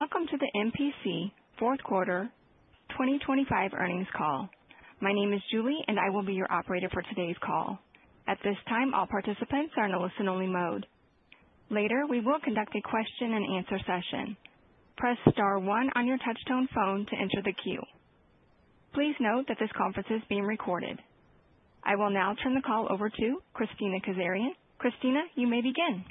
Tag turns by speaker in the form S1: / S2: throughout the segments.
S1: Welcome to the MPC fourth quarter 2025 earnings call. My name is Julie, and I will be your operator for today's call. At this time, all participants are in a listen-only mode. Later, we will conduct a question-and-answer session. Press star one on your touchtone phone to enter the queue. Please note that this conference is being recorded. I will now turn the call over to Kristina Kazarian. Kristina, you may begin.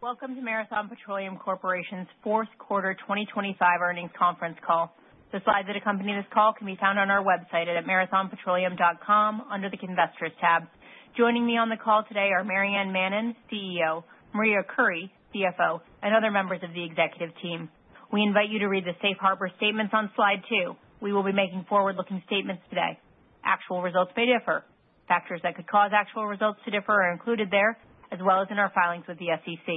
S2: Welcome to Marathon Petroleum Corporation's fourth quarter 2025 earnings conference call. The slides that accompany this call can be found on our website at marathonpetroleum.com under the Investors tab. Joining me on the call today are Maryann Mannen, CEO, Maria Khoury, CFO, and other members of the executive team. We invite you to read the safe harbor statements on slide two. We will be making forward-looking statements today. Actual results may differ. Factors that could cause actual results to differ are included there, as well as in our filings with the SEC.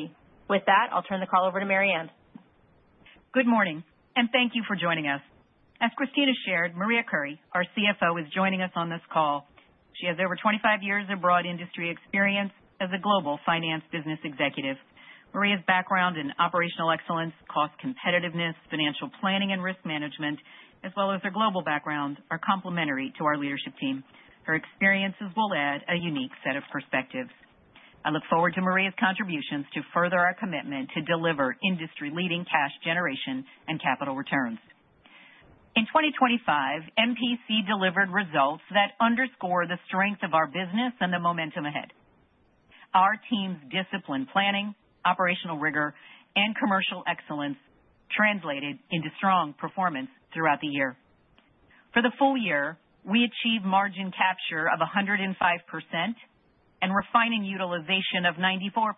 S2: With that, I'll turn the call over to Maryann.
S3: Good morning, and thank you for joining us. As Kristina shared, Maria Khoury, our CFO, is joining us on this call. She has over 25 years of broad industry experience as a global finance business executive. Maria's background in operational excellence, cost competitiveness, financial planning and risk management, as well as her global background, are complementary to our leadership team. Her experiences will add a unique set of perspectives. I look forward to Maria's contributions to further our commitment to deliver industry-leading cash generation and capital returns. In 2025, MPC delivered results that underscore the strength of our business and the momentum ahead. Our team's disciplined planning, operational rigor, and commercial excellence translated into strong performance throughout the year. For the full year, we achieved margin capture of 105% and refining utilization of 94%,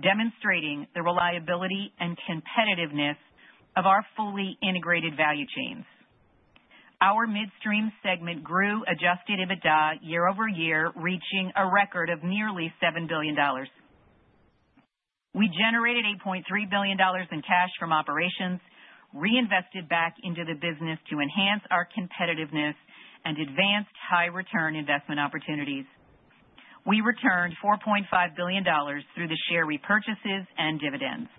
S3: demonstrating the reliability and competitiveness of our fully integrated value chains. Our midstream segment grew Adjusted EBITDA year-over-year, reaching a record of nearly $7 billion. We generated $8.3 billion in cash from operations, reinvested back into the business to enhance our competitiveness and advanced high return investment opportunities. We returned $4.5 billion through the share repurchases and dividends.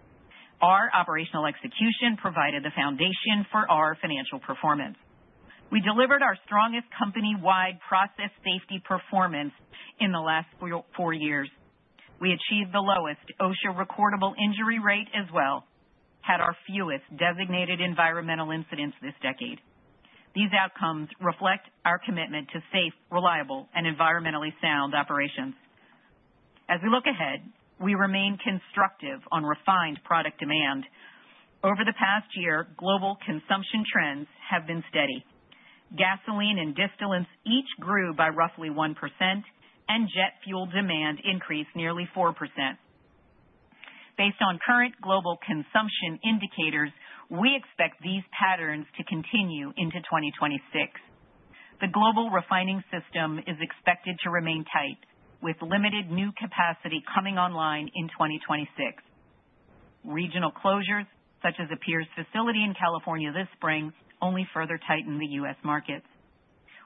S3: Our operational execution provided the foundation for our financial performance. We delivered our strongest company-wide process safety performance in the last four years. We achieved the lowest OSHA recordable injury rate as well, had our fewest designated environmental incidents this decade. These outcomes reflect our commitment to safe, reliable, and environmentally sound operations. As we look ahead, we remain constructive on refined product demand. Over the past year, global consumption trends have been steady. Gasoline and distillates each grew by roughly 1%, and jet fuel demand increased nearly 4%. Based on current global consumption indicators, we expect these patterns to continue into 2026. The global refining system is expected to remain tight, with limited new capacity coming online in 2026. Regional closures, such as the [inaudible] facility in California this spring, only further tighten the U.S. markets.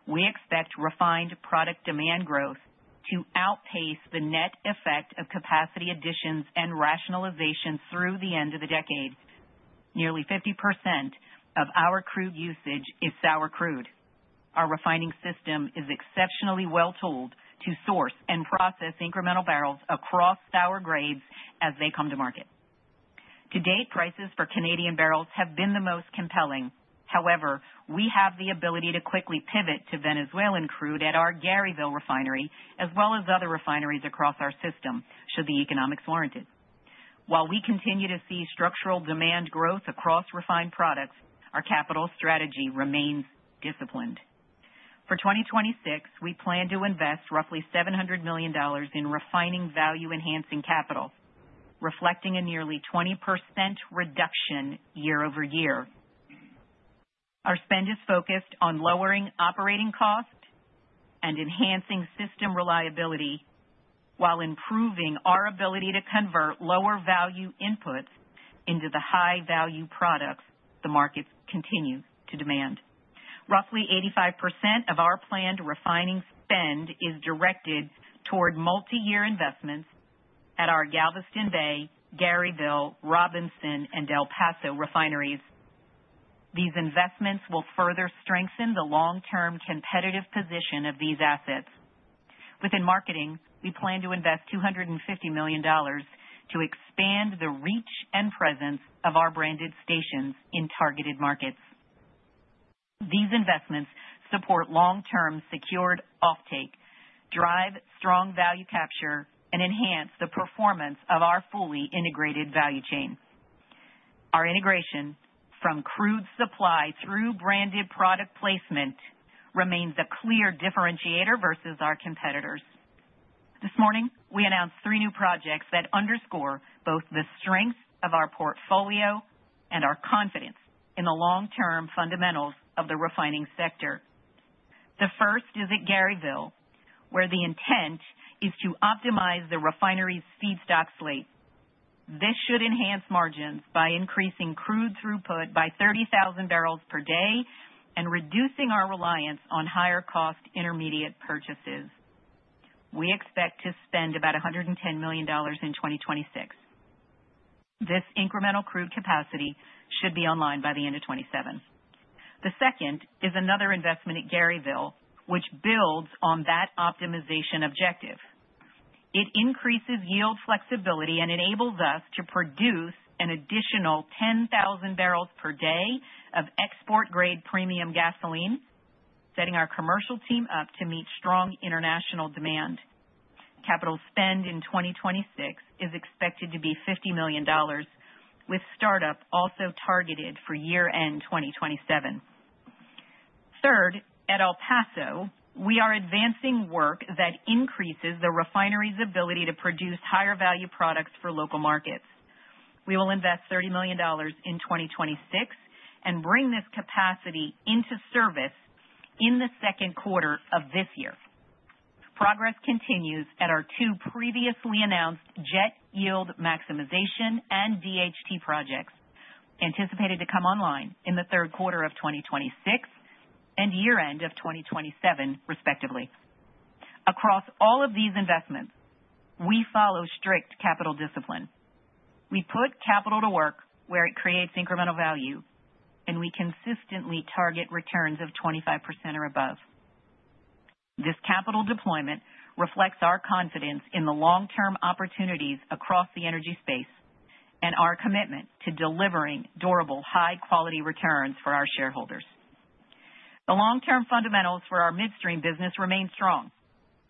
S3: We expect refined product demand growth to outpace the net effect of capacity additions and rationalization through the end of the decade. Nearly 50% of our crude usage is sour crude. Our refining system is exceptionally well-tooled to source and process incremental barrels across sour grades as they come to market. To date, prices for Canadian barrels have been the most compelling. However, we have the ability to quickly pivot to Venezuelan crude at our Garyville Refinery, as well as other refineries across our system, should the economics warrant it. While we continue to see structural demand growth across refined products, our capital strategy remains disciplined. For 2026, we plan to invest roughly $700 million in refining value-enhancing capital, reflecting a nearly 20% reduction year-over-year. Our spend is focused on lowering operating costs and enhancing system reliability while improving our ability to convert lower value inputs into the high-value products the markets continue to demand. Roughly 85% of our planned refining spend is directed toward multiyear investments at our Galveston Bay, Garyville, Robinson, and El Paso refineries. These investments will further strengthen the long-term competitive position of these assets. Within marketing, we plan to invest $250 million to expand the reach and presence of our branded stations in targeted markets. These investments support long-term secured offtake, drive strong value capture, and enhance the performance of our fully integrated value chain. Our integration from crude supply through branded product placement remains a clear differentiator versus our competitors. This morning, we announced three new projects that underscore both the strength of our portfolio and our confidence in the long-term fundamentals of the refining sector. The first is at Garyville, where the intent is to optimize the refinery's feedstock slate. This should enhance margins by increasing crude throughput by 30,000 bpd and reducing our reliance on higher-cost intermediate purchases. We expect to spend about $110 million in 2026. This incremental crude capacity should be online by the end of 2027. The second is another investment at Garyville, which builds on that optimization objective. It increases yield flexibility and enables us to produce an additional 10,000 bpd of export-grade premium gasoline, setting our commercial team up to meet strong international demand. Capital spend in 2026 is expected to be $50 million, with startup also targeted for year-end 2027. Third, at El Paso, we are advancing work that increases the refinery's ability to produce higher value products for local markets. We will invest $30 million in 2026 and bring this capacity into service in the second quarter of this year. Progress continues at our two previously announced jet yield maximization and DHT projects, anticipated to come online in the third quarter of 2026 and year-end of 2027, respectively. Across all of these investments, we follow strict capital discipline. We put capital to work where it creates incremental value, and we consistently target returns of 25% or above. This capital deployment reflects our confidence in the long-term opportunities across the energy space and our commitment to delivering durable, high-quality returns for our shareholders. The long-term fundamentals for our midstream business remain strong.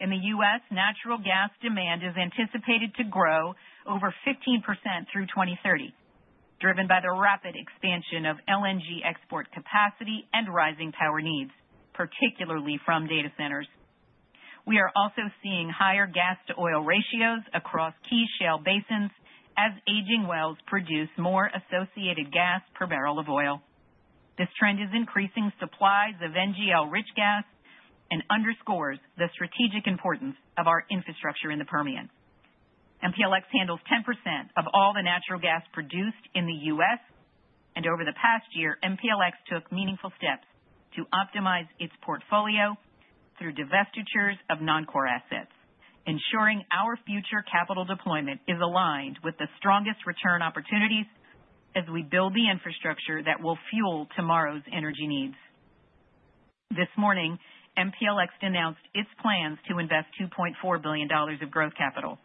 S3: In the U.S., natural gas demand is anticipated to grow over 15% through 2030, driven by the rapid expansion of LNG export capacity and rising power needs, particularly from data centers. We are also seeing higher gas-to-oil ratios across key shale basins as aging wells produce more associated gas per barrel of oil. This trend is increasing supplies of NGL-rich gas and underscores the strategic importance of our infrastructure in the Permian. MPLX handles 10% of all the natural gas produced in the U.S., and over the past year, MPLX took meaningful steps to optimize its portfolio through divestitures of non-core assets, ensuring our future capital deployment is aligned with the strongest return opportunities as we build the infrastructure that will fuel tomorrow's energy needs. This morning, MPLX announced its plans to invest $2.4 billion of growth capital.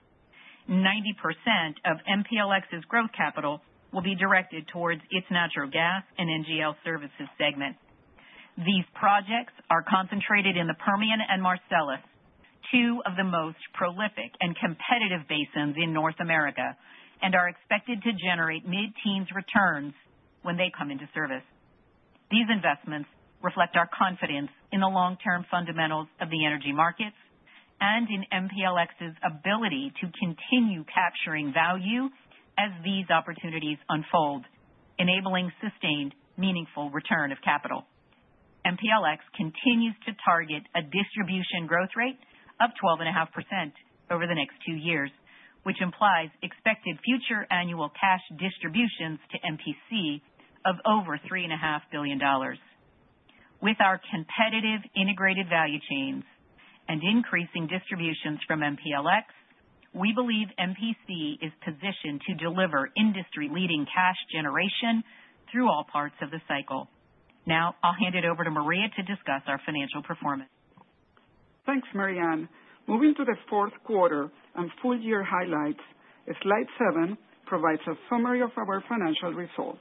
S3: 90% of MPLX's growth capital will be directed towards its natural gas and NGL services segment. These projects are concentrated in the Permian and Marcellus, two of the most prolific and competitive basins in North America, and are expected to generate mid-teens returns when they come into service. These investments reflect our confidence in the long-term fundamentals of the energy markets and in MPLX's ability to continue capturing value as these opportunities unfold, enabling sustained, meaningful return of capital. MPLX continues to target a distribution growth rate of 12.5% over the next two years, which implies expected future annual cash distributions to MPC of over $3.5 billion. With our competitive integrated value chains and increasing distributions from MPLX, we believe MPC is positioned to deliver industry-leading cash generation through all parts of the cycle. Now I'll hand it over to Maria to discuss our financial performance.
S4: Thanks, Maryann. Moving to the fourth quarter and full-year highlights, slide seven provides a summary of our financial results.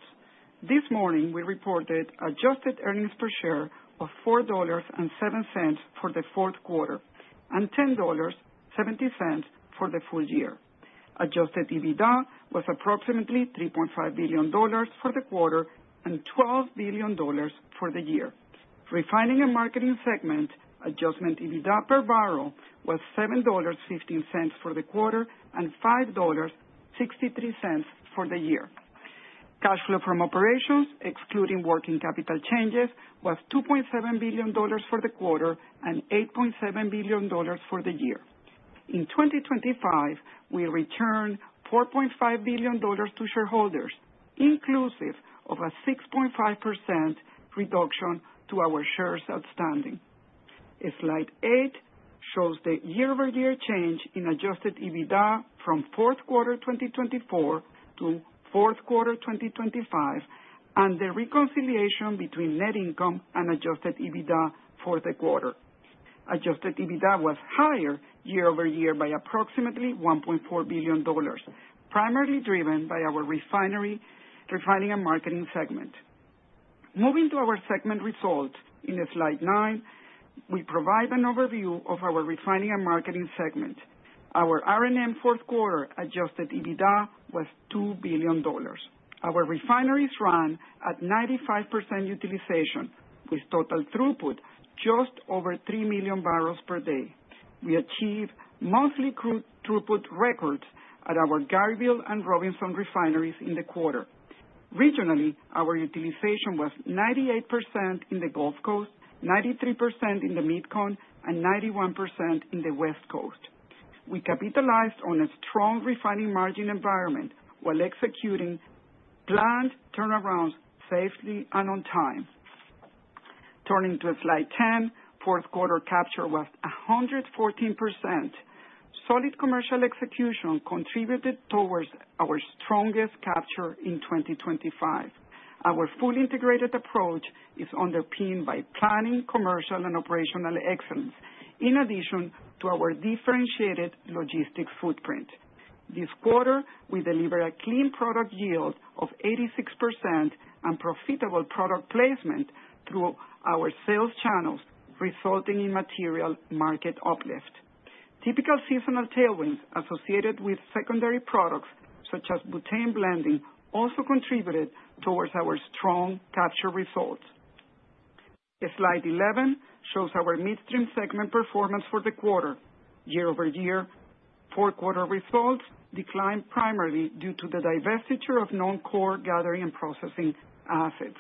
S4: This morning, we reported adjusted earnings per share of $4.07 for the fourth quarter and $10.70 for the full year. Adjusted EBITDA was approximately $3.5 billion for the quarter and $12 billion for the year. Refining and Marketing segment adjusted EBITDA per barrel was $7.15 for the quarter and $5.63 for the year. Cash flow from operations, excluding working capital changes, was $2.7 billion for the quarter and $8.7 billion for the year. In 2025, we returned $4.5 billion to shareholders, inclusive of a 6.5% reduction to our shares outstanding. Slide eight shows the year-over-year change in adjusted EBITDA from fourth quarter 2024 to fourth quarter 2025, and the reconciliation between net income and adjusted EBITDA for the quarter. Adjusted EBITDA was higher year-over-year by approximately $1.4 billion, primarily driven by our Refining and Marketing segment. Moving to our segment results in slide nine, we provide an overview of our Refining and Marketing segment. Our R&M fourth quarter adjusted EBITDA was $2 billion. Our refineries ran at 95% utilization, with total throughput just over 3 MMbpd. We achieved monthly crude throughput records at our Garyville and Robinson refineries in the quarter. Regionally, our utilization was 98% in the Gulf Coast, 93% in the Mid-Con, and 91% in the West Coast. We capitalized on a strong refining margin environment while executing planned turnarounds safely and on time. Turning to Slide 10, fourth quarter capture was 114%. Solid commercial execution contributed towards our strongest capture in 2025. Our fully integrated approach is underpinned by planning, commercial, and operational excellence, in addition to our differentiated logistics footprint. This quarter, we delivered a clean product yield of 86% and profitable product placement through our sales channels, resulting in material market uplift. Typical seasonal tailwinds associated with secondary products, such as butane blending, also contributed towards our strong capture results. Slide 11 shows our midstream segment performance for the quarter. Year-over-year, fourth quarter results declined primarily due to the divestiture of non-core gathering and processing assets.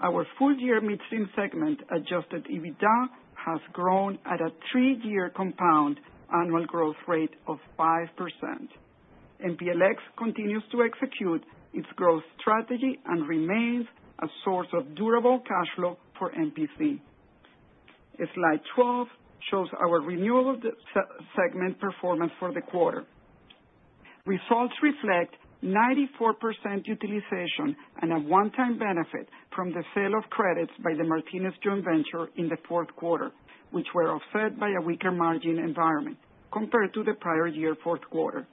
S4: Our full-year midstream segment adjusted EBITDA has grown at a three-year compound annual growth rate of 5%. MPLX continues to execute its growth strategy and remains a source of durable cash flow for MPC. Slide 12 shows our renewable segment performance for the quarter. Results reflect 94% utilization and a one-time benefit from the sale of credits by the Martinez joint venture in the fourth quarter, which were offset by a weaker margin environment compared to the prior year fourth quarter.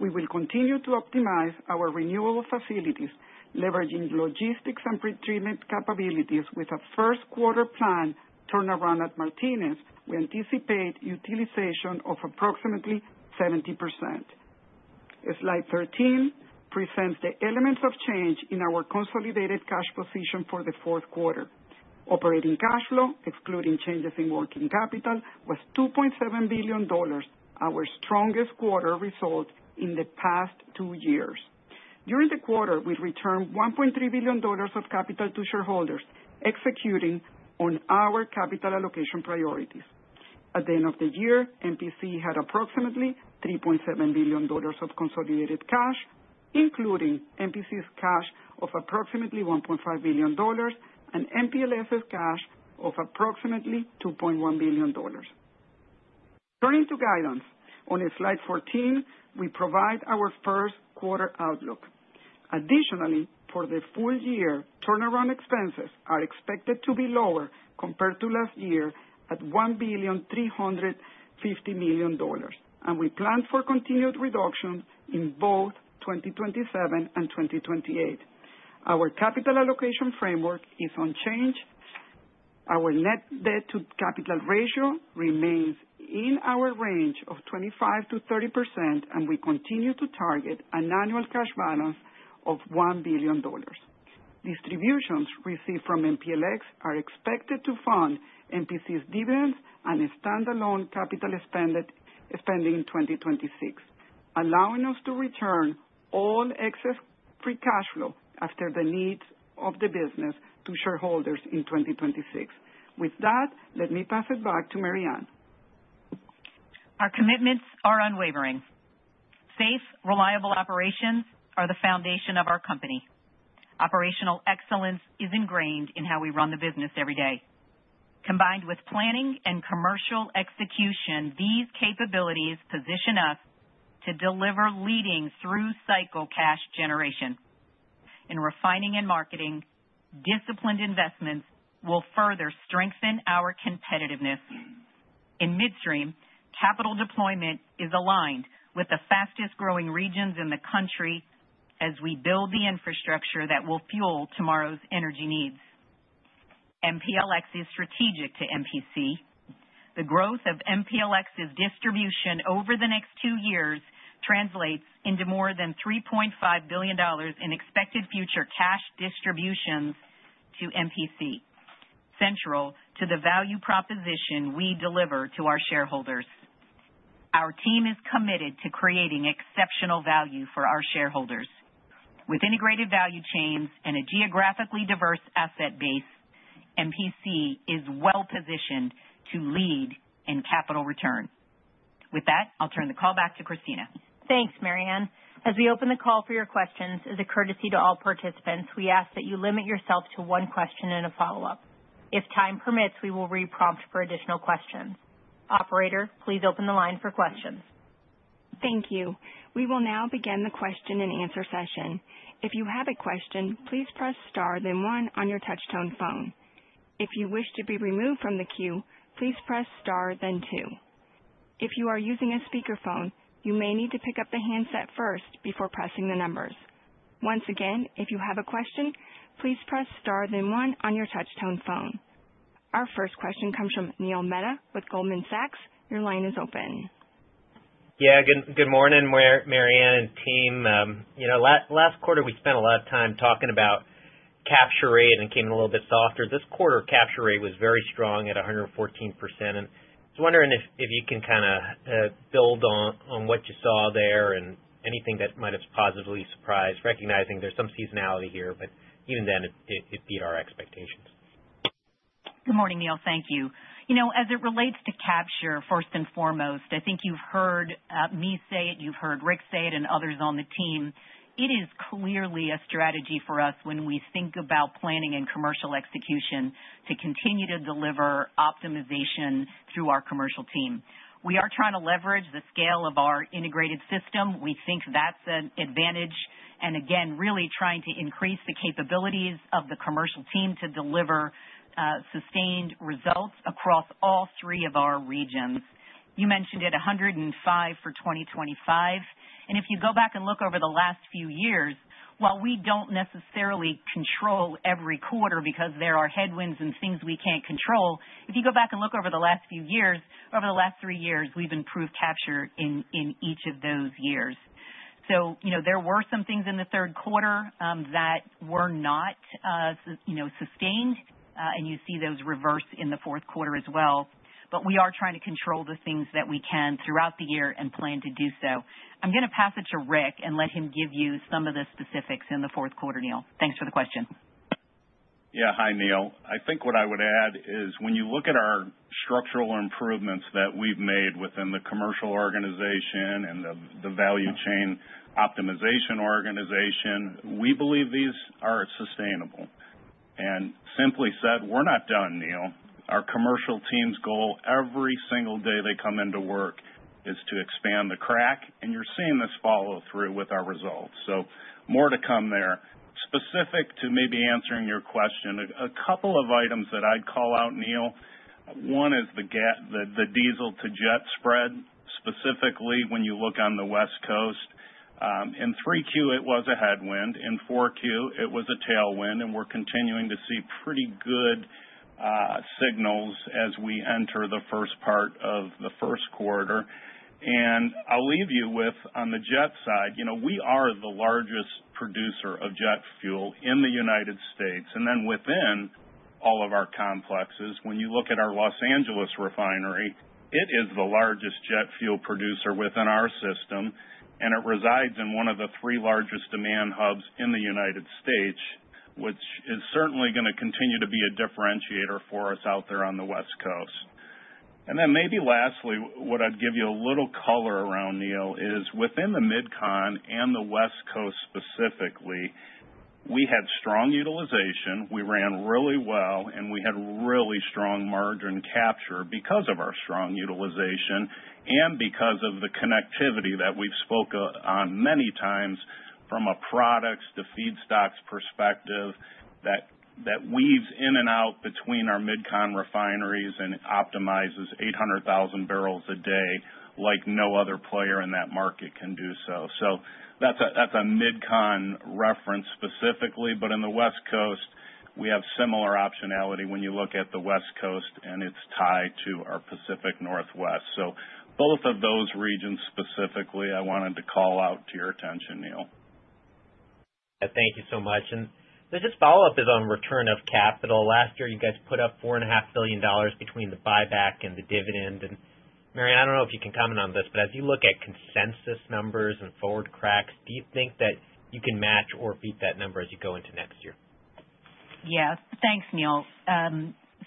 S4: We will continue to optimize our renewable facilities, leveraging logistics and pretreatment capabilities with a first quarter planned turnaround at Martinez. We anticipate utilization of approximately 70%. Slide 13 presents the elements of change in our consolidated cash position for the fourth quarter. Operating cash flow, excluding changes in working capital, was $2.7 billion, our strongest quarter result in the past two years. During the quarter, we returned $1.3 billion of capital to shareholders, executing on our capital allocation priorities. At the end of the year, MPC had approximately $3.7 billion of consolidated cash, including MPC's cash of approximately $1.5 billion and MPLX's cash of approximately $2.1 billion. Turning to guidance, on Slide 14, we provide our first quarter outlook. Additionally, for the full year, turnaround expenses are expected to be lower compared to last year at $1.35 billion, and we plan for continued reduction in both 2027 and 2028. Our capital allocation framework is unchanged. Our net debt to capital ratio remains in our range of 25%-30%, and we continue to target an annual cash balance of $1 billion. Distributions received from MPLX are expected to fund MPC's dividends and a standalone capital expended, spending in 2026, allowing us to return all excess free cash flow after the needs of the business to shareholders in 2026. With that, let me pass it back to Maryann.
S3: Our commitments are unwavering. Safe, reliable operations are the foundation of our company. Operational excellence is ingrained in how we run the business every day. Combined with planning and commercial execution, these capabilities position us to deliver leading through cycle cash generation. In Refining and Marketing, disciplined investments will further strengthen our competitiveness. In midstream, capital deployment is aligned with the fastest-growing regions in the country as we build the infrastructure that will fuel tomorrow's energy needs. MPLX is strategic to MPC. The growth of MPLX's distribution over the next two years translates into more than $3.5 billion in expected future cash distributions to MPC, central to the value proposition we deliver to our shareholders. Our team is committed to creating exceptional value for our shareholders. With integrated value chains and a geographically diverse asset base, MPC is well positioned to lead in capital returns. With that, I'll turn the call back to Kristina.
S2: Thanks, Maryann. As we open the call for your questions, as a courtesy to all participants, we ask that you limit yourself to one question and a follow-up. If time permits, we will re-prompt for additional questions. Operator, please open the line for questions.
S1: Thank you. We will now begin the question-and-answer session. If you have a question, please press star then one on your touch-tone phone. If you wish to be removed from the queue, please press star then two. If you are using a speakerphone, you may need to pick up the handset first before pressing the numbers. Once again, if you have a question, please press star then one on your touch-tone phone. Our first question comes from Neil Mehta with Goldman Sachs. Your line is open.
S5: Yeah, good morning, Maryann and team. You know, last quarter, we spent a lot of time talking about capture rate, and it came in a little bit softer. This quarter, capture rate was very strong at 114%. And I was wondering if you can kind of build on what you saw there and anything that might have positively surprised, recognizing there's some seasonality here, but even then, it beat our expectations.
S3: Good morning, Neil. Thank you. You know, as it relates to capture, first and foremost, I think you've heard me say it, you've heard Rick say it, and others on the team. It is clearly a strategy for us when we think about planning and commercial execution to continue to deliver optimization through our commercial team. We are trying to leverage the scale of our integrated system. We think that's an advantage, and again, really trying to increase the capabilities of the commercial team to deliver sustained results across all three of our regions. You mentioned it, 105% for 2025, and if you go back and look over the last few years, while we don't necessarily control every quarter because there are headwinds and things we can't control, if you go back and look over the last few years, over the last three years, we've improved capture in each of those years. So you know, there were some things in the third quarter that were not sustained, you know, and you see those reverse in the fourth quarter as well. But we are trying to control the things that we can throughout the year and plan to do so. I'm gonna pass it to Rick and let him give you some of the specifics in the fourth quarter, Neil. Thanks for the question.
S6: Yeah. Hi, Neil. I think what I would add is when you look at our structural improvements that we've made within the commercial organization and the value chain optimization organization, we believe these are sustainable. And simply said, we're not done, Neil. Our commercial team's goal every single day they come into work is to expand the crack, and you're seeing this follow through with our results. So more to come there. Specific to maybe answering your question, a couple of items that I'd call out, Neil. One is the diesel to jet spread, specifically, when you look on the West Coast. In 3Q, it was a headwind. In 4Q, it was a tailwind, and we're continuing to see pretty good signals as we enter the first part of the first quarter. I'll leave you with, on the jet side, you know, we are the largest producer of jet fuel in the United States. And then within all of our complexes, when you look at our Los Angeles refinery, it is the largest jet fuel producer within our system, and it resides in one of the three largest demand hubs in the United States, which is certainly gonna continue to be a differentiator for us out there on the West Coast. And then maybe lastly, what I'd give you a little color around, Neil, is within the Mid-Con and the West Coast specifically, we had strong utilization, we ran really well, and we had really strong margin capture because of our strong utilization and because of the connectivity that we've spoke on many times from a products to feedstocks perspective that weaves in and out between our Mid-Con refineries and optimizes 800,000 bpd like no other player in that market can do so. So that's a Mid-Con reference specifically, but in the West Coast, we have similar optionality when you look at the West Coast, and it's tied to our Pacific Northwest. So both of those regions specifically, I wanted to call out to your attention, Neil.
S5: Thank you so much. Then just follow up is on return of capital. Last year, you guys put up $4.5 billion between the buyback and the dividend. Maryann, I don't know if you can comment on this, but as you look at consensus numbers and forward cracks, do you think that you can match or beat that number as you go into next year?
S3: Yes. Thanks, Neil.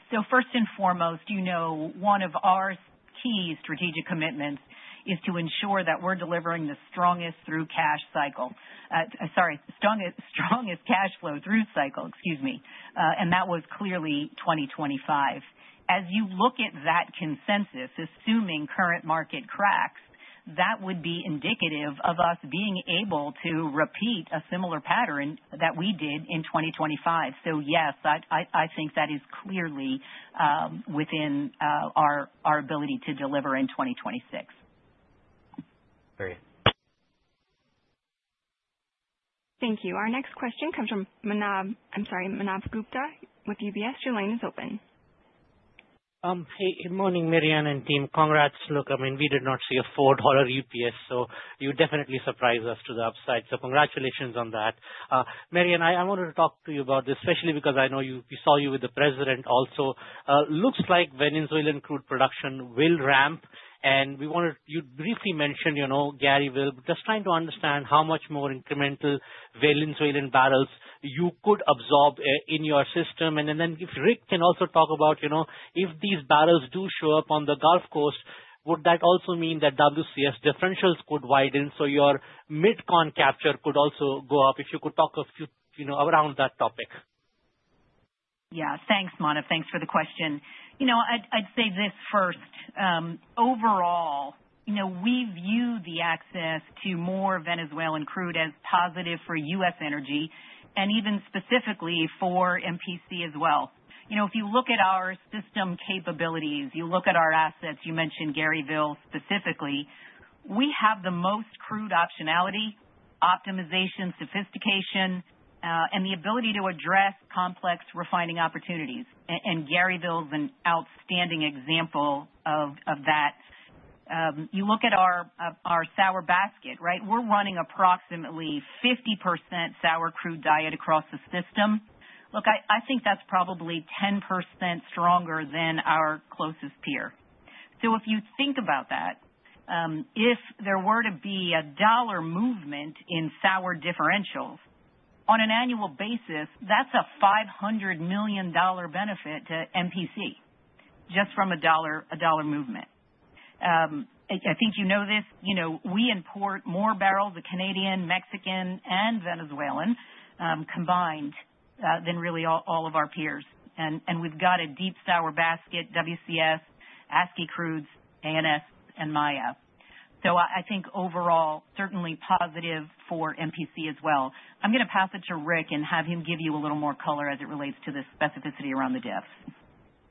S3: So first and foremost, you know, one of our key strategic commitments is to ensure that we're delivering the strongest cash flow through cycle. Sorry, strongest, strongest cash flow through cycle, excuse me, and that was clearly 2025. As you look at that consensus, assuming current market cracks, that would be indicative of us being able to repeat a similar pattern that we did in 2025. So yes, I, I, I think that is clearly within our, our ability to deliver in 2026.
S5: Great.
S1: Thank you. Our next question comes from Manav-- I'm sorry, Manav Gupta with UBS. Your line is open.
S7: Hey, good morning, Maryann and team. Congrats. Look, I mean, we did not see a $4 EPS, so you definitely surprised us to the upside. So congratulations on that. Maryann, I, I wanted to talk to you about this, especially because I know you we saw you with the president also. Looks like Venezuelan crude production will ramp, and we wondered you briefly mentioned, you know, Garyville. Just trying to understand how much more incremental Venezuelan barrels you could absorb in your system. And then, if Rick can also talk about, you know, if these barrels do show up on the Gulf Coast, would that also mean that WCS differentials could widen so your Mid-Con capture could also go up? If you could talk a few, you know, around that topic.
S3: Yeah. Thanks, Manav. Thanks for the question. You know, I'd, I'd say this first. Overall, you know, we view the access to more Venezuelan crude as positive for U.S. energy and even specifically for MPC as well. You know, if you look at our system capabilities, you look at our assets, you mentioned Garyville specifically, we have the most crude optionality, optimization, sophistication, and the ability to address complex refining opportunities, and Garyville is an outstanding example of that. You look at our sour basket, right? We're running approximately 50% sour crude diet across the system. Look, I, I think that's probably 10% stronger than our closest peer. So if you think about that, if there were to be $1 movement in sour differentials. On an annual basis, that's a $500 million benefit to MPC, just from $1, $1 movement. I think you know this, you know, we import more barrels of Canadian, Mexican, and Venezuelan, combined, than really all, all of our peers. And we've got a deep sour basket, WCS, ASCI crudes, ANS and Maya. So I think overall, certainly positive for MPC as well. I'm gonna pass it to Rick and have him give you a little more color as it relates to the specificity around the diffs.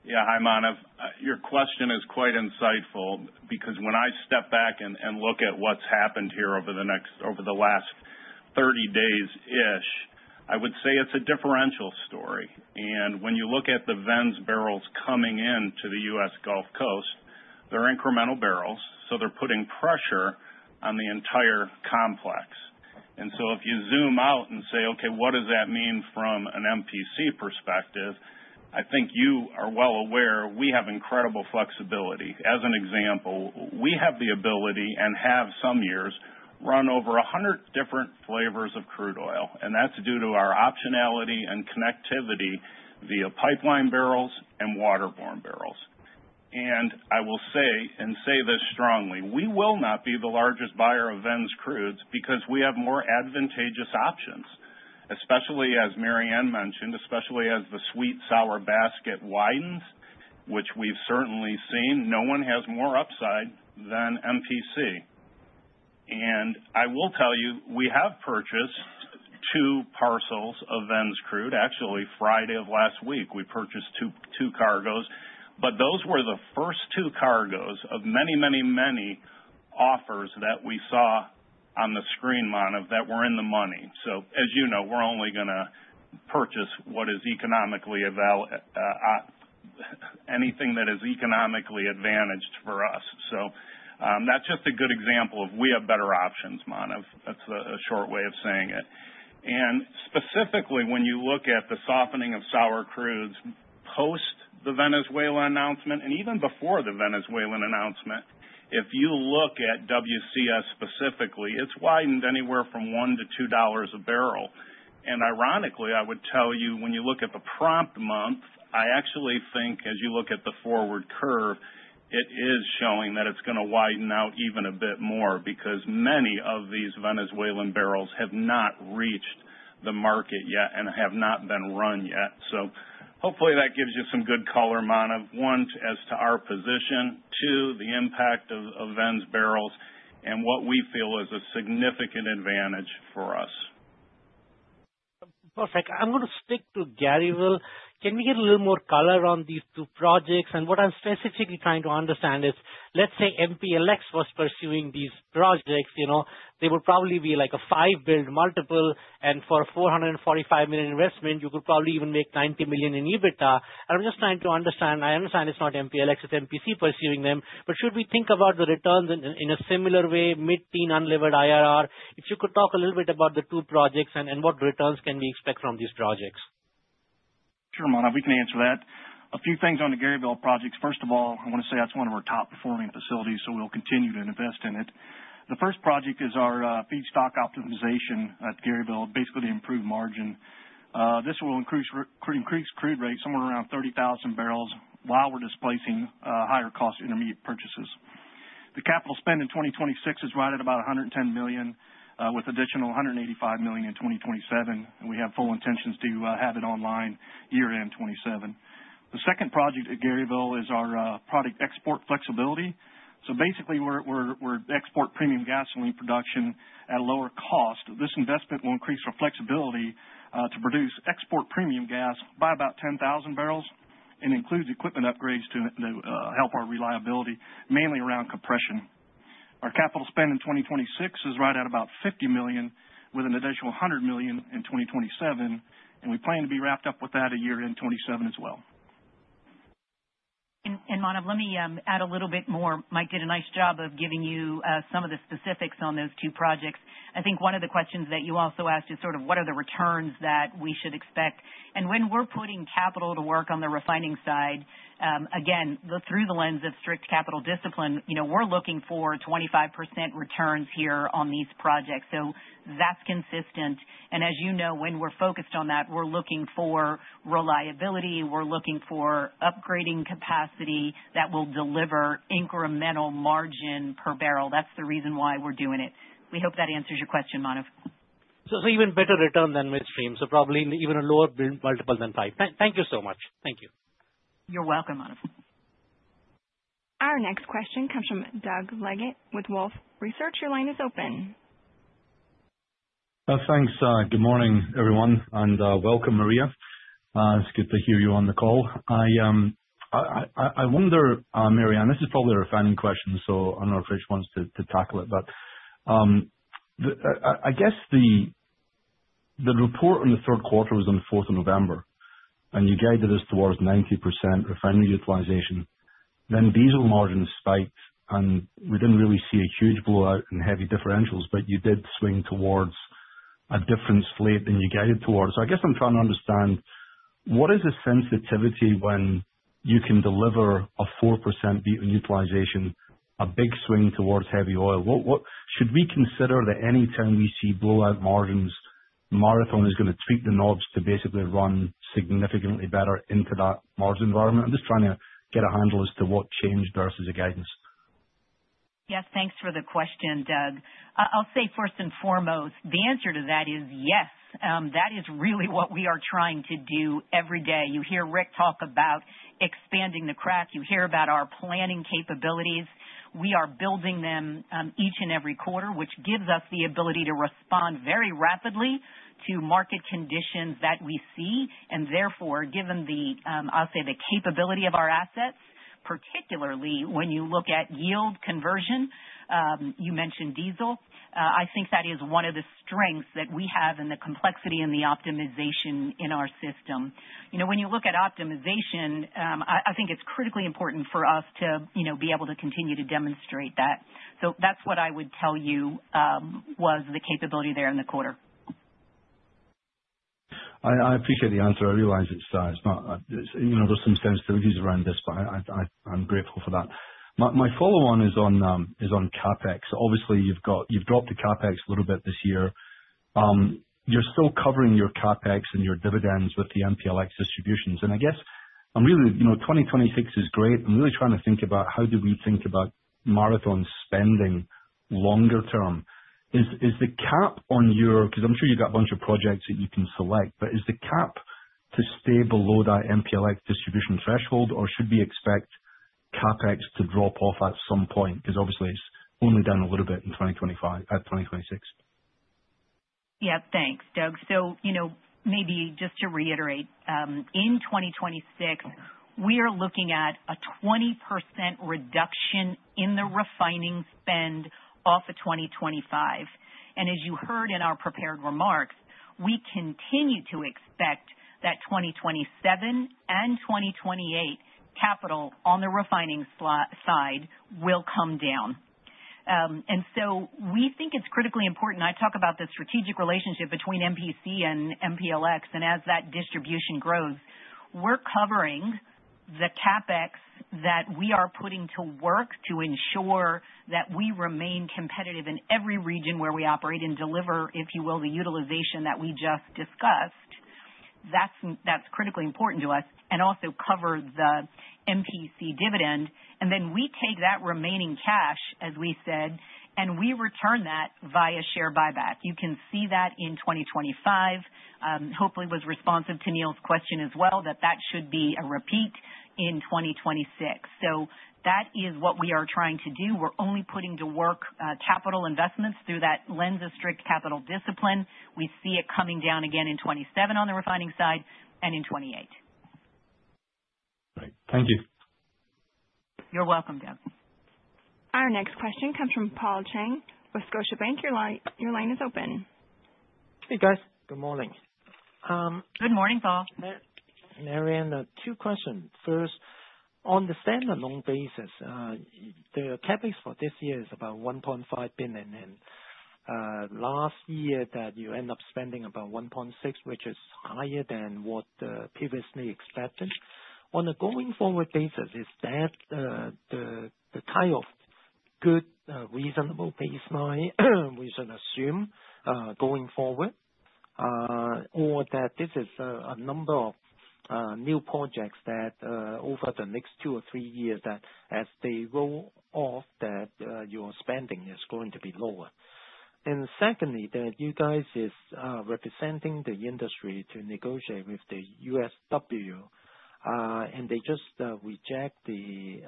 S6: Yeah, hi, Manav. Your question is quite insightful, because when I step back and look at what's happened here over the last 30 days-ish, I would say it's a differential story. And when you look at the Venezuelan barrels coming in to the U.S. Gulf Coast, they're incremental barrels, so they're putting pressure on the entire complex. And so if you zoom out and say, "Okay, what does that mean from an MPC perspective?" I think you are well aware we have incredible flexibility. As an example, we have the ability, and have some years, run over 100 different flavors of crude oil, and that's due to our optionality and connectivity via pipeline barrels and waterborne barrels. And I will say, and say this strongly, we will not be the largest buyer of Venezuela's crudes because we have more advantageous options, especially as Maryann mentioned, especially as the sweet sour basket widens, which we've certainly seen. No one has more upside than MPC. And I will tell you, we have purchased two parcels of Venezuela's crude. Actually, Friday of last week, we purchased two, two cargoes, but those were the first two cargoes of many, many, many offers that we saw on the screen, Manav, that were in the money. So as you know, we're only gonna purchase anything that is economically advantaged for us. So, that's just a good example of we have better options, Manav. That's a short way of saying it. And specifically, when you look at the softening of sour crudes post the Venezuela announcement, and even before the Venezuelan announcement, if you look at WCS specifically, it's widened anywhere from $1-$2/bbl. And ironically, I would tell you, when you look at the prompt month, I actually think as you look at the forward curve, it is showing that it's gonna widen out even a bit more, because many of these Venezuelan barrels have not reached the market yet and have not been run yet. So hopefully that gives you some good color, Manav. One, as to our position, two, the impact of Venezuelan barrels and what we feel is a significant advantage for us.
S7: Perfect. I'm going to stick to Garyville. Can we get a little more color on these two projects? And what I'm specifically trying to understand is, let's say MPLX was pursuing these projects, you know, they would probably be like a five build multiple, and for a $445 million investment, you could probably even make $90 million in EBITDA. I'm just trying to understand, I understand it's not MPLX, it's MPC pursuing them, but should we think about the returns in, in a similar way, mid-teen unlevered IRR? If you could talk a little bit about the two projects and, and what returns can we expect from these projects?
S8: Sure, Manav, we can answer that. A few things on the Garyville projects. First of all, I want to say that's one of our top performing facilities, so we'll continue to invest in it. The first project is our feedstock optimization at Garyville, basically to improve margin. This will increase crude rate somewhere around 30,000 bbl, while we're displacing higher cost intermediate purchases. The capital spend in 2026 is right at about $110 million, with additional $185 million in 2027, and we have full intentions to have it online year-end 2027. The second project at Garyville is our product export flexibility. So basically we're export premium gasoline production at a lower cost. This investment will increase our flexibility to produce export premium gas by about 10,000 bbl and includes equipment upgrades to help our reliability, mainly around compression. Our capital spend in 2026 is right at about $50 million, with an additional $100 million in 2027, and we plan to be wrapped up with that a year in 2027 as well.
S3: And Manav, let me add a little bit more. Mike did a nice job of giving you some of the specifics on those two projects. I think one of the questions that you also asked is sort of what are the returns that we should expect? And when we're putting capital to work on the refining side, again, through the lens of strict capital discipline, you know, we're looking for 25% returns here on these projects, so that's consistent. And as you know, when we're focused on that, we're looking for reliability, we're looking for upgrading capacity that will deliver incremental margin per barrel. That's the reason why we're doing it. We hope that answers your question, Manav.
S7: So even better return than midstream, so probably even a lower build multiple than five. Thank you so much. Thank you.
S3: You're welcome, Manav.
S1: Our next question comes from Doug Leggate with Wolfe Research. Your line is open.
S9: Thanks. Good morning, everyone, and welcome, Maria. It's good to hear you on the call. I wonder, Maryann, this is probably a refining question, so I don't know which ones to tackle it, but I guess the report on the third quarter was on the fourth of November, and you guided us towards 90% refinery utilization. Then diesel margins spiked, and we didn't really see a huge blowout in heavy differentials, but you did swing towards a different slate than you guided towards. So I guess I'm trying to understand. What is the sensitivity when you can deliver a 4% utilization, a big swing towards heavy oil? What should we consider that anytime we see blowout margins, Marathon is going to tweak the knobs to basically run significantly better into that margin environment? I'm just trying to get a handle as to what changed versus the guidance.
S3: Yes, thanks for the question, Doug. I, I'll say first and foremost, the answer to that is yes. That is really what we are trying to do every day. You hear Rick talk about expanding the crack. You hear about our planning capabilities. We are building them, each and every quarter, which gives us the ability to respond very rapidly to market conditions that we see, and therefore, given the, I'll say, the capability of our assets, particularly when you look at yield conversion, you mentioned diesel. I think that is one of the strengths that we have in the complexity and the optimization in our system. You know, when you look at optimization, I, I think it's critically important for us to, you know, be able to continue to demonstrate that. That's what I would tell you, was the capability there in the quarter.
S9: I appreciate the answer. I realize it's, it's not, you know, there's some sensitivities around this, but I'm grateful for that. My follow-on is on CapEx. Obviously, you've dropped the CapEx a little bit this year. You're still covering your CapEx and your dividends with the MPLX distributions. And I guess I'm really, you know, 2026 is great. I'm really trying to think about how do we think about Marathon spending longer term? Is the cap on your-- Because I'm sure you've got a bunch of projects that you can select, but is the cap to stay below that MPLX distribution threshold, or should we expect CapEx to drop off at some point? Because obviously it's only down a little bit in 2025-2026.
S3: Yeah. Thanks, Doug. So, you know, maybe just to reiterate, in 2026, we are looking at a 20% reduction in the refining spend off of 2025. And as you heard in our prepared remarks, we continue to expect that 2027 and 2028 capital on the refining side will come down. And so we think it's critically important. I talk about the strategic relationship between MPC and MPLX, and as that distribution grows, we're covering the CapEx that we are putting to work to ensure that we remain competitive in every region where we operate and deliver, if you will, the utilization that we just discussed. That's, that's critically important to us, and also cover the MPC dividend. And then we take that remaining cash, as we said, and we return that via share buyback. You can see that in 2025. Hopefully was responsive to Neil's question as well, that that should be a repeat in 2026. So that is what we are trying to do. We're only putting to work capital investments through that lens of strict capital discipline. We see it coming down again in 2027 on the refining side and in 2028.
S9: Great. Thank you.
S3: You're welcome, Doug.
S1: Our next question comes from Paul Cheng with Scotiabank. Your line, your line is open.
S10: Hey, guys. Good morning.
S3: Good morning, Paul.
S10: Maryann, two questions. First, on the standalone basis, the CapEx for this year is about $1.5 billion, and, last year that you end up spending about $1.6 billion, which is higher than what, previously expected. On a going-forward basis, is that, the, the type of good, reasonable baseline, we should assume, going forward, or that this is, a number of, new projects that, over the next two or three years, that as they roll off, that, your spending is going to be lower? And secondly, that you guys is, representing the industry to negotiate with the USW, and they just, reject the,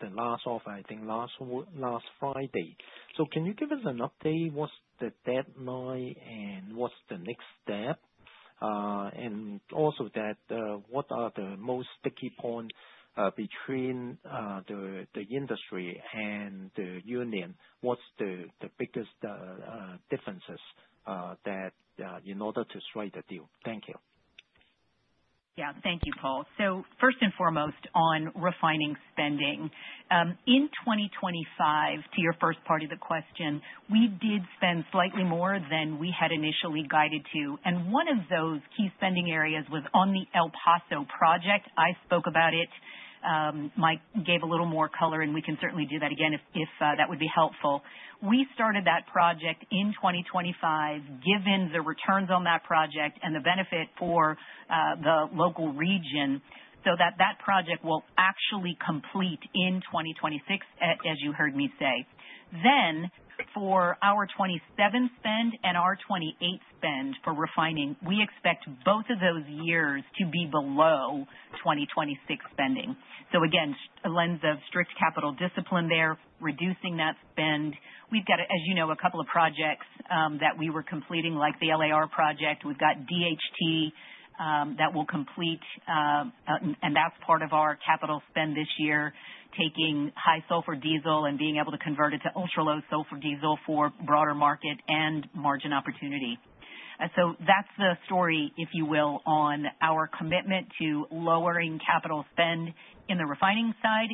S10: the last offer, I think last Friday. So can you give us an update, what's the deadline and what's the next step? And also, what are the most sticky points between the industry and the union? What's the biggest differences in order to strike a deal? Thank you.
S3: Yeah. Thank you, Paul. So first and foremost, on refining spending. In 2025, to your first part of the question, we did spend slightly more than we had initially guided to, and one of those key spending areas was on the El Paso project. I spoke about it. Mike gave a little more color, and we can certainly do that again if, if, that would be helpful. We started that project in 2025, given the returns on that project and the benefit for, the local region, so that that project will actually complete in 2026, as you heard me say. Then, for our 2027 spend and our 2028 spend for refining, we expect both of those years to be below 2026 spending. So again, a lens of strict capital discipline there, reducing that spend. We've got, as you know, a couple of projects that we were completing, like the LAR project. We've got DHT that will complete, and that's part of our capital spend this year, taking high sulfur diesel and being able to convert it to ultra-low sulfur diesel for broader market and margin opportunity. And so that's the story, if you will, on our commitment to lowering capital spend in the refining side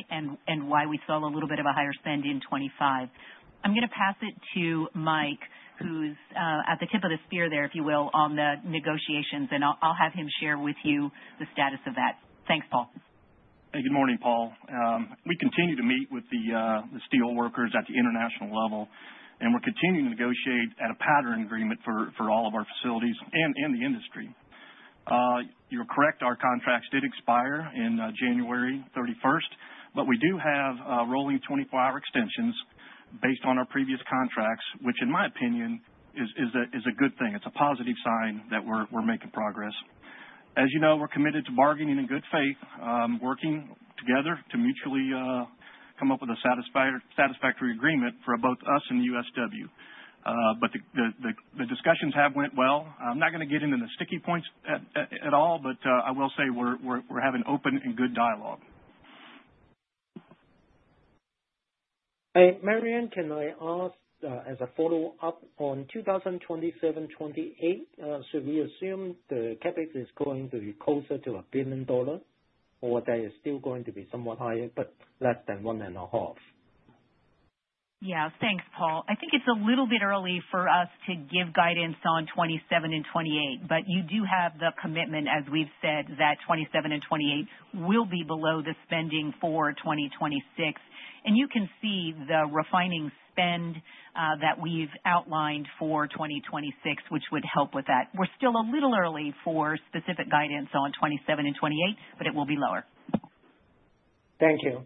S3: and why we saw a little bit of a higher spend in 2025. I'm going to pass it to Mike, who's at the tip of the spear there, if you will, on the negotiations, and I'll have him share with you the status of that. Thanks, Paul.
S8: Hey, good morning, Paul. We continue to meet with the the steel workers at the international level, and we're continuing to negotiate at a pattern agreement for for all of our facilities and and the industry. You're correct, our contracts did expire in January 31st, but we do have rolling 24-hour extensions based on our previous contracts, which in my opinion, is is a is a good thing. It's a positive sign that we're we're making progress. As you know, we're committed to bargaining in good faith, working together to mutually come up with a satisfactory agreement for both us and the USW. But the the the discussions have went well. I'm not going to get into the sticky points at at at all, but I will say we're we're we're having open and good dialogue.
S10: Hey, Maryann, can I ask, as a follow-up on 2027-2028, should we assume the CapEx is going to be closer to $1 billion or that is still going to be somewhat higher, but less than $1.5 billion?
S3: Yeah. Thanks, Paul. I think it's a little bit early for us to give guidance on 2027 and 2028, but you do have the commitment, as we've said, that 2027 and 2028 will be below the spending for 2026. And you can see the refining spend, that we've outlined for 2026, which would help with that. We're still a little early for specific guidance on 2027 and 2028, but it will be lower.
S10: Thank you.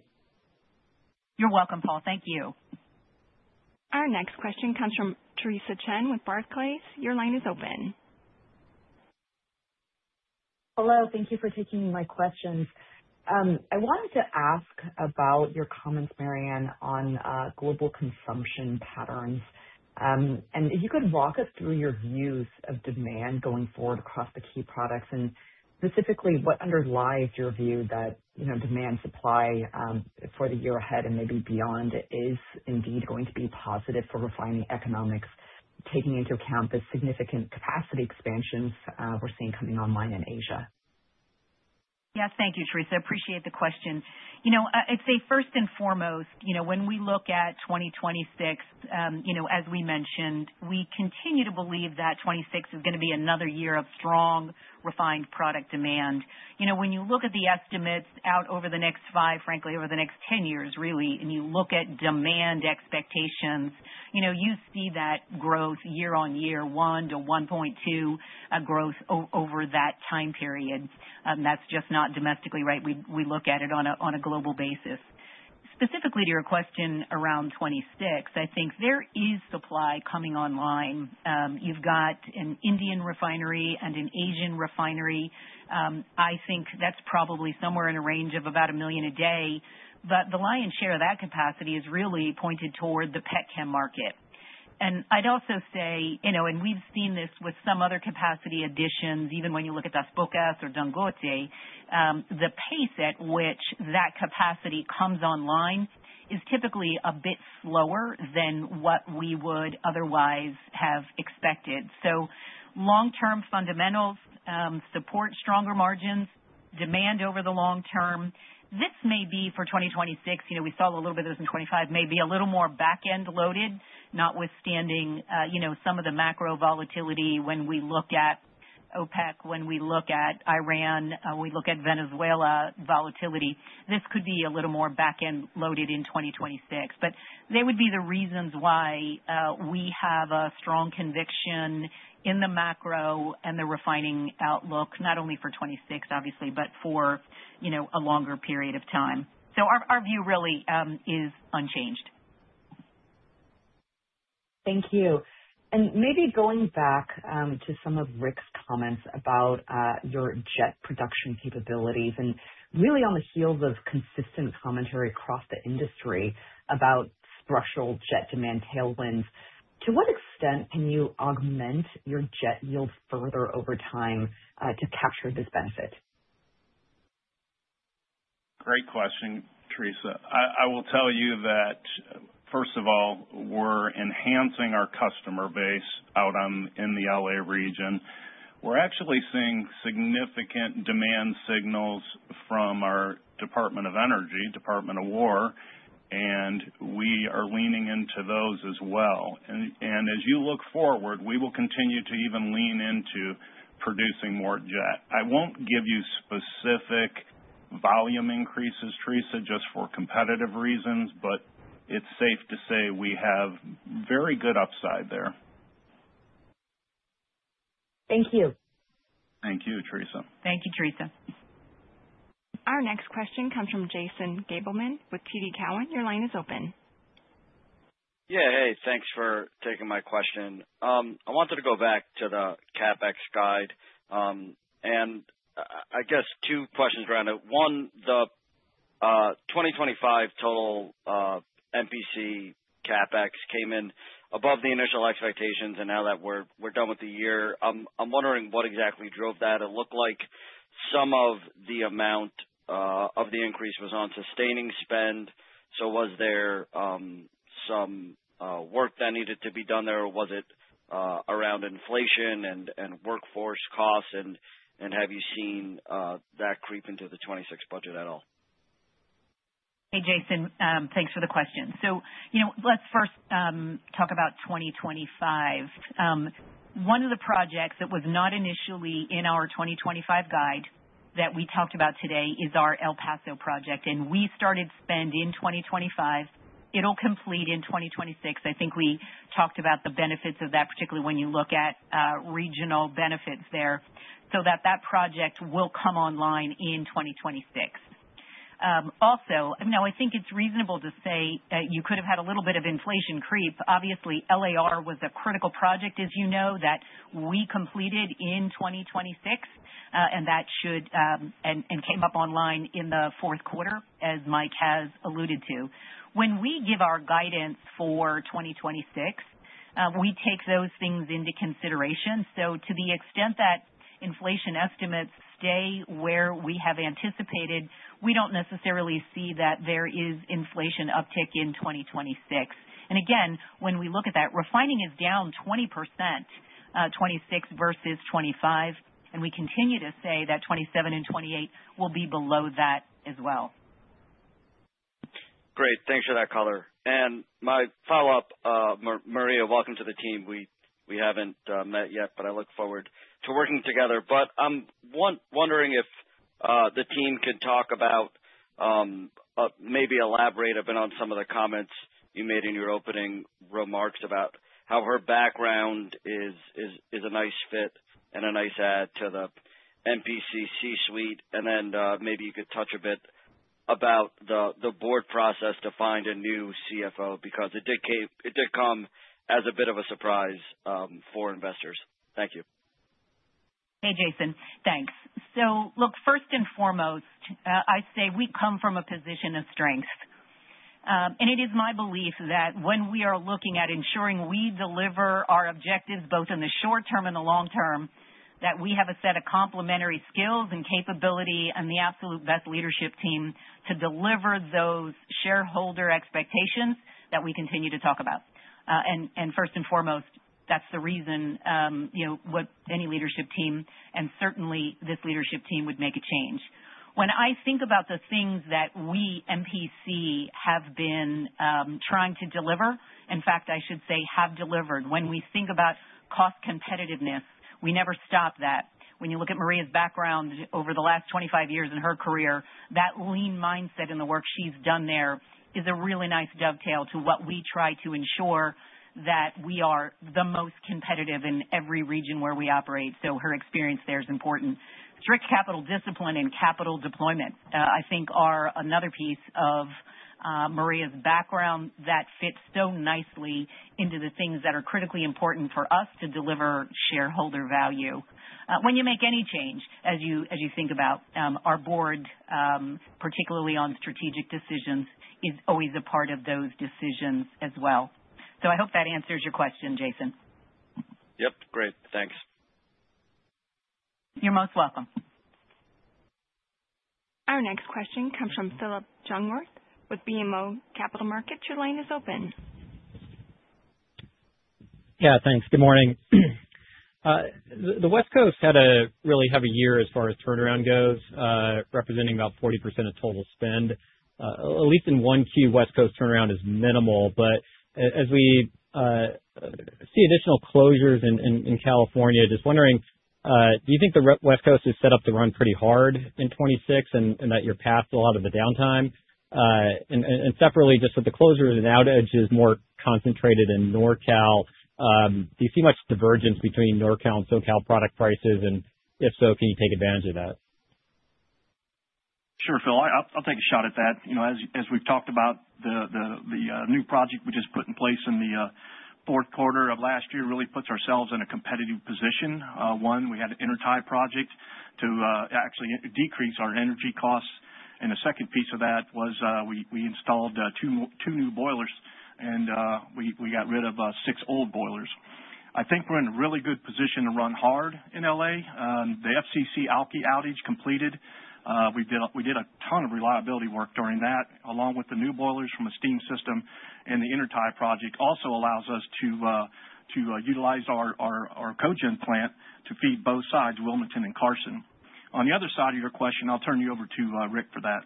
S3: You're welcome, Paul. Thank you.
S1: Our next question comes from Theresa Chen with Barclays. Your line is open.
S11: Hello, thank you for taking my questions. I wanted to ask about your comments, Maryann, on global consumption patterns. If you could walk us through your views of demand going forward across the key products, and specifically, what underlies your view that, you know, demand supply for the year ahead and maybe beyond, is indeed going to be positive for refining economics, taking into account the significant capacity expansions we're seeing coming online in Asia?
S3: Yes. Thank you, Theresa. I appreciate the question. You know, I'd say first and foremost, you know, when we look at 2026, you know, as we mentioned, we continue to believe that 2026 is going to be another year of strong, refined product demand. You know, when you look at the estimates out over the next five, frankly, over the next 10 years, really, and you look at demand expectations, you know, you see that growth year-on-year, 1%-1.2% growth over that time period. That's just not domestically, right? We, we look at it on a, on a global basis. Specifically, to your question around 2026, I think there is supply coming online. You've got an Indian refinery and an Asian refinery. I think that's probably somewhere in a range of about 1 million a day, but the lion's share of that capacity is really pointed toward the petchem market. And I'd also say, you know, and we've seen this with some other capacity additions, even when you look at Dos Bocas or Dangote, the pace at which that capacity comes online is typically a bit slower than what we would otherwise have expected. So long-term fundamentals, support stronger margins, demand over the long term. This may be for 2026, you know, we saw a little bit of this in 2025, may be a little more back-end loaded, notwithstanding, you know, some of the macro volatility when we look at OPEC, when we look at Iran, we look at Venezuela volatility. This could be a little more back-end loaded in 2026, but they would be the reasons why we have a strong conviction in the macro and the refining outlook, not only for 2026, obviously, but for, you know, a longer period of time. So our, our view really, is unchanged.
S11: Thank you. Maybe going back to some of Rick's comments about your jet production capabilities, and really on the heels of consistent commentary across the industry about structural jet demand tailwinds, to what extent can you augment your jet yield further over time to capture this benefit?
S6: Great question, Theresa. I will tell you that, first of all, we're enhancing our customer base out in the L.A. region. We're actually seeing significant demand signals from our Department of Energy, Department of Defense, and we are leaning into those as well. As you look forward, we will continue to even lean into producing more jet. I won't give you specific volume increases, Theresa, just for competitive reasons, but it's safe to say we have very good upside there.
S11: Thank you.
S6: Thank you, Theresa.
S3: Thank you, Theresa.
S1: Our next question comes from Jason Gabelman with TD Cowen. Your line is open.
S12: Yeah. Hey, thanks for taking my question. I wanted to go back to the CapEx guide, and I guess two questions around it. One, the 2025 total MPC CapEx came in above the initial expectations, and now that we're done with the year, I'm wondering what exactly drove that. It looked like some of the amount of the increase was on sustaining spend. So was there some work that needed to be done there, or was it around inflation and workforce costs, and have you seen that creep into the 2026 budget at all?
S3: Hey, Jason, thanks for the question. So, you know, let's first talk about 2025. One of the projects that was not initially in our 2025 guide that we talked about today is our El Paso project, and we started spend in 2025. It'll complete in 2026. I think we talked about the benefits of that, particularly when you look at regional benefits there, so that project will come online in 2026. Also, now I think it's reasonable to say that you could have had a little bit of inflation creep. Obviously, LAR was a critical project as you know, that we completed in 2026, and that came up online in the fourth quarter, as Mike has alluded to. When we give our guidance for 2026, we take those things into consideration. So to the extent that inflation estimates stay where we have anticipated, we don't necessarily see that there is inflation uptick in 2026. And again, when we look at that, refining is down 20%, 2026 versus 2025, and we continue to say that 2027 and 2028 will be below that as well.
S12: Great. Thanks for that color. My follow-up. Maria, welcome to the team. We haven't met yet, but I look forward to working together. But I'm wondering if the team could talk about maybe elaborate a bit on some of the comments you made in your opening remarks about how her background is a nice fit and a nice add to the MPC C-suite. And then maybe you could touch a bit about the board process to find a new CFO, because it did come as a bit of a surprise for investors. Thank you.
S3: Hey, Jason. Thanks. So look, first and foremost, I'd say we come from a position of strength. It is my belief that when we are looking at ensuring we deliver our objectives, both in the short term and the long term, that we have a set of complementary skills and capability and the absolute best leadership team to deliver those shareholder expectations that we continue to talk about. And first and foremost, that's the reason, you know, what any leadership team, and certainly this leadership team, would make a change. When I think about the things that we, MPC, have been trying to deliver, in fact, I should say, have delivered. When we think about cost competitiveness, we never stop that. When you look at Maria's background over the last 25 years in her career, that lean mindset and the work she's done there is a really nice dovetail to what we try to ensure that we are the most competitive in every region where we operate, so her experience there is important. Strict capital discipline and capital deployment, I think are another piece of, Maria's background that fits so nicely into the things that are critically important for us to deliver shareholder value. When you make any change, as you think about our board, particularly on strategic decisions, is always a part of those decisions as well. So I hope that answers your question, Jason.
S12: Yep. Great. Thanks.
S3: You're most welcome.
S1: Our next question comes from Phillip Jungwirth with BMO Capital Markets. Your line is open.
S13: Yeah, thanks. Good morning. The West Coast had a really heavy year as far as turnaround goes, representing about 40% of total spend. At least in 2025, West Coast turnaround is minimal. But as we see additional closures in California, just wondering, do you think the West Coast is set up to run pretty hard in 2026 and that you're past a lot of the downtime? And separately, just with the closures and outage is more concentrated in NorCal, do you see much divergence between NorCal and SoCal product prices? And if so, can you take advantage of that?
S8: Sure, Phil, I'll take a shot at that. You know, as we've talked about the new project we just put in place in the fourth quarter of last year, really puts ourselves in a competitive position. One, we had an intertie project to actually decrease our energy costs, and the second piece of that was, we installed two new boilers and we got rid of six old boilers. I think we're in a really good position to run hard in L.A. The FCC alky outage completed. We did a ton of reliability work during that, along with the new boilers from a steam system. And the intertie project also allows us to utilize our cogen plant to feed both sides, Wilmington and Carson. On the other side of your question, I'll turn you over to Rick for that.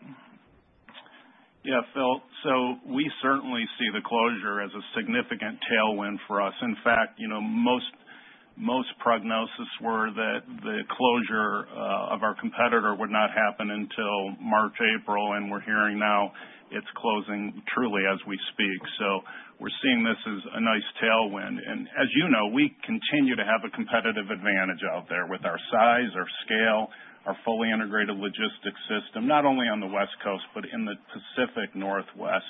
S6: Yeah, Phil, so we certainly see the closure as a significant tailwind for us. In fact, you know, most prognoses were that the closure of our competitor would not happen until March, April, and we're hearing now it's closing truly as we speak. So we're seeing this as a nice tailwind. As you know, we continue to have a competitive advantage out there with our size, our scale, our fully integrated logistics system, not only on the West Coast, but in the Pacific Northwest.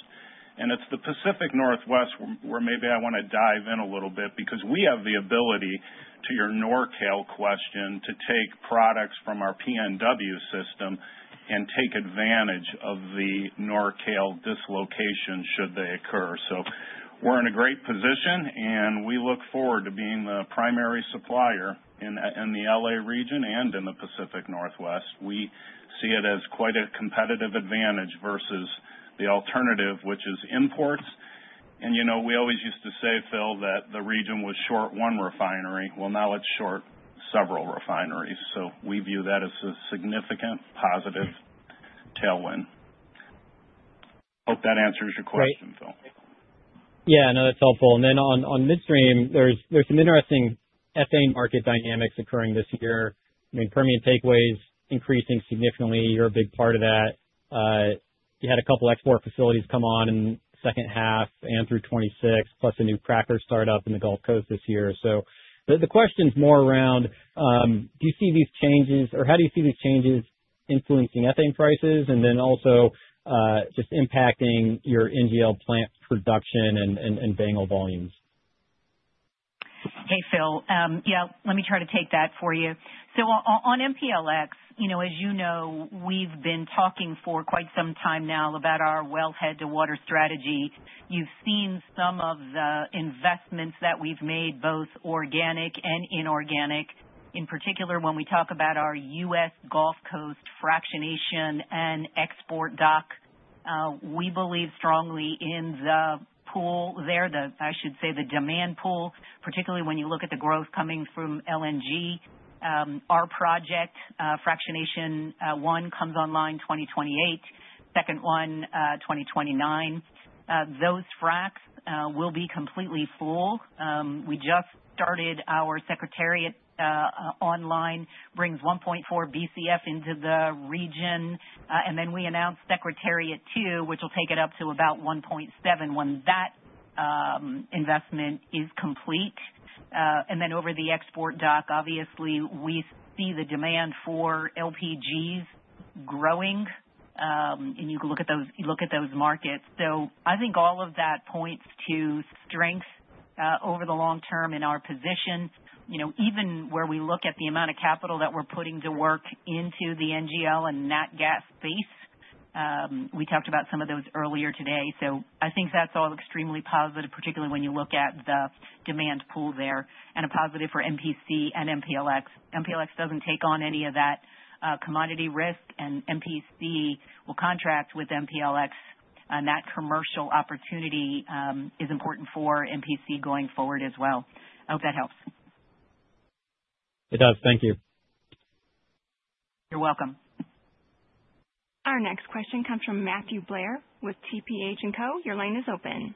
S6: It's the Pacific Northwest where maybe I want to dive in a little bit, because we have the ability, to your NorCal question, to take products from our PNW system and take advantage of the NorCal dislocation should they occur. So we're in a great position, and we look forward to being the primary supplier in the L.A. region and in the Pacific Northwest. We see it as quite a competitive advantage versus the alternative, which is imports. You know, we always used to say, Phil, that the region was short one refinery. Well, now it's short several refineries, so we view that as a significant positive tailwind. Hope that answers your question, Phil.
S13: Yeah, no, that's helpful. And then on midstream, there's some interesting ethane market dynamics occurring this year. I mean, Permian takeaways increasing significantly. You're a big part of that. You had a couple export facilities come on in the second half and through 2026, plus a new cracker start up in the Gulf Coast this year. So the question's more around, do you see these changes or how do you see these changes influencing ethane prices? And then also, just impacting your NGL plant production and BANGL volumes?
S3: Hey, Phil. Yeah, let me try to take that for you. So on MPLX, you know, as you know, we've been talking for quite some time now about our wellhead to water strategy. You've seen some of the investments that we've made, both organic and inorganic. In particular, when we talk about our U.S. Gulf Coast fractionation and export dock, we believe strongly in the pool there, the-- I should say, the demand pool, particularly when you look at the growth coming from LNG. Our project, fractionation one comes online 2028, second one, 2029. Those fracs will be completely full. We just started our Secretariat online, brings 1.4 Bcf into the region. And then we announced Secretariat two, which will take it up to about 1.7 when that investment is complete. And then over the export dock, obviously we see the demand for LPGs growing, and you can look at those, look at those markets. So I think all of that points to strength over the long term in our position. You know, even where we look at the amount of capital that we're putting to work into the NGL and nat gas base, we talked about some of those earlier today, so I think that's all extremely positive, particularly when you look at the demand pool there, and a positive for MPC and MPLX. MPLX doesn't take on any of that commodity risk, and MPC will contract with MPLX, and that commercial opportunity is important for MPC going forward as well. I hope that helps.
S13: It does. Thank you.
S3: You're welcome.
S1: Our next question comes from Matthew Blair with TPH&Co. Your line is open.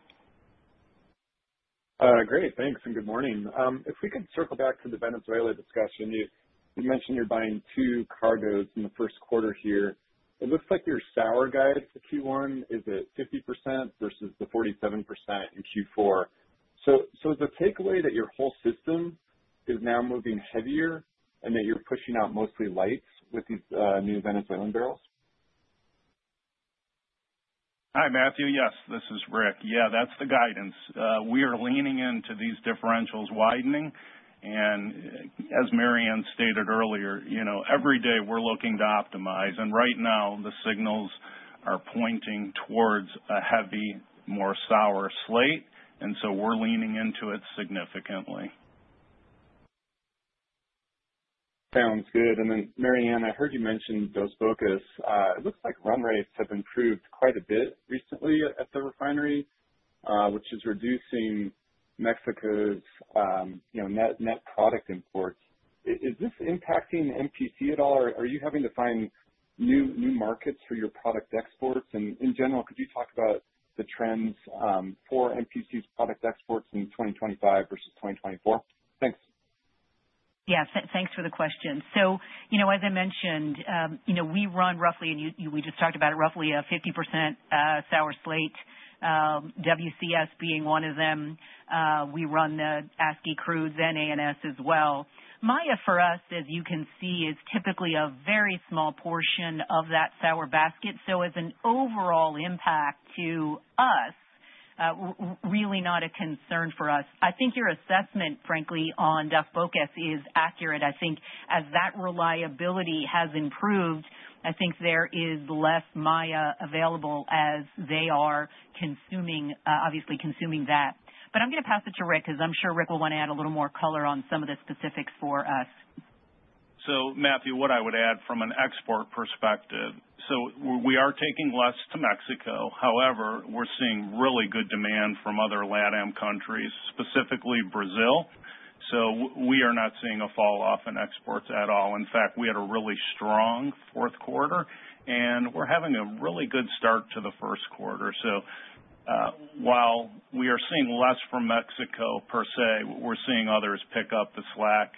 S14: Great, thanks, and good morning. If we could circle back to the Venezuela discussion. You mentioned you're buying two cargos in the first quarter here. It looks like your sour guide for Q1, is it 50% versus the 47% in Q4? So, is the takeaway that your whole system is now moving heavier and that you're pushing out mostly lights with these new Venezuelan barrels?
S6: Hi, Matthew. Yes, this is Rick. Yeah, that's the guidance. We are leaning into these differentials widening, and as Maryann stated earlier, you know, every day we're looking to optimize. And right now, the signals are pointing towards a heavy, more sour slate, and so we're leaning into it significantly.
S14: Sounds good. Maryann, I heard you mention Dos Bocas. It looks like run rates have improved quite a bit recently at the refinery, which is reducing Mexico's, you know, net, net product imports. Is this impacting MPC at all, or are you having to find new, new markets for your product exports? And in general, could you talk about the trends for MPC's product exports in 2025 versus 2024? Thanks.
S3: Yeah, thanks for the question. So, you know, as I mentioned, you know, we run roughly, and you, we just talked about it, roughly a 50% sour slate, WCS being one of them. We run the ASCI crudes and ANS as well. Maya, for us, as you can see, is typically a very small portion of that sour basket. So as an overall impact to us, really not a concern for us. I think your assessment, frankly, on Dos Bocas is accurate. I think as that reliability has improved, I think there is less Maya available as they are consuming, obviously consuming that. But I'm going to pass it to Rick, because I'm sure Rick will want to add a little more color on some of the specifics for us.
S6: So Matthew, what I would add from an export perspective, so we are taking less to Mexico. However, we're seeing really good demand from other LatAm countries, specifically Brazil, so we are not seeing a falloff in exports at all. In fact, we had a really strong fourth quarter, and we're having a really good start to the first quarter. So, while we are seeing less from Mexico per se, we're seeing others pick up the slack,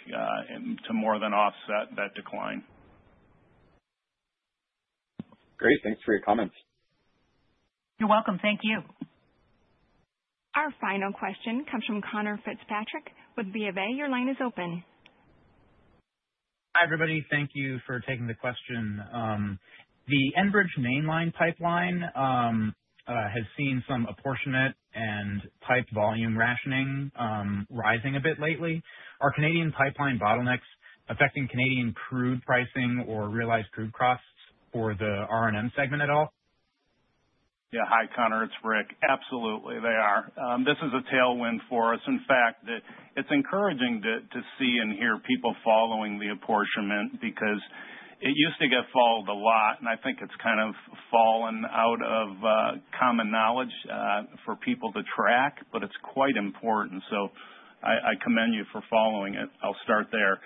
S6: and to more than offset that decline.
S14: Great. Thanks for your comments.
S3: You're welcome. Thank you.
S1: Our final question comes from Conor Fitzpatrick with BofA. Your line is open.
S15: Hi, everybody. Thank you for taking the question. The Enbridge Mainline pipeline has seen some apportionment and pipe volume rationing rising a bit lately. Are Canadian pipeline bottlenecks affecting Canadian crude pricing or realized crude costs for the R&M segment at all?
S6: Yeah. Hi, Conor, it's Rick. Absolutely, they are. This is a tailwind for us. In fact, it's encouraging to see and hear people following the apportionment because it used to get followed a lot, and I think it's kind of fallen out of common knowledge for people to track, but it's quite important, so I commend you for following it. I'll start there.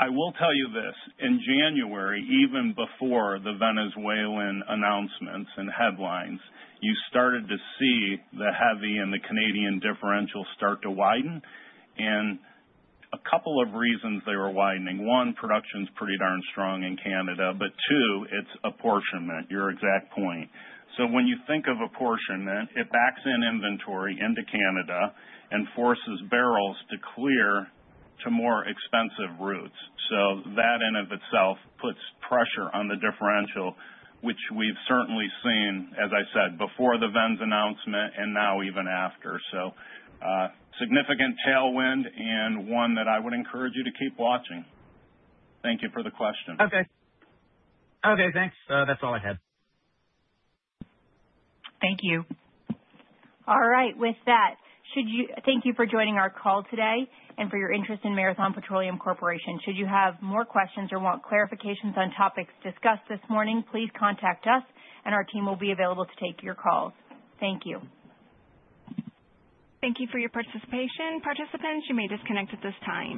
S6: I will tell you this, in January, even before the Venezuelan announcements and headlines, you started to see the heavy and the Canadian differential start to widen, and a couple of reasons they were widening. One, production's pretty darn strong in Canada, but two, it's apportionment, your exact point. So when you think of apportionment, it backs in inventory into Canada and forces barrels to clear to more expensive routes. So that, in and of itself, puts pressure on the differential, which we've certainly seen, as I said, before the Venz announcement and now even after. So, significant tailwind, and one that I would encourage you to keep watching. Thank you for the question.
S15: Okay. Okay, thanks. That's all I had.
S3: Thank you.
S2: All right, with that, thank you for joining our call today and for your interest in Marathon Petroleum Corporation. Should you have more questions or want clarifications on topics discussed this morning, please contact us, and our team will be available to take your calls. Thank you.
S1: Thank you for your participation. Participants, you may disconnect at this time.